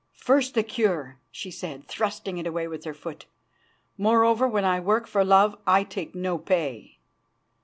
"First the cure," she said, thrusting it away with her foot. "Moreover, when I work for love I take no pay."